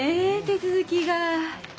手続きが。